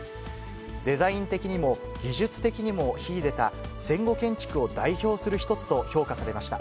デザイン的にも技術的にも秀でた、戦後建築を代表する一つと評価されました。